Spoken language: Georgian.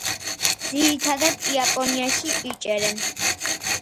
ძირითადად იაპონიაში იჭერენ.